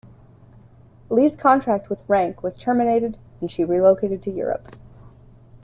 Lee's contract with Rank was terminated and she relocated to Europe.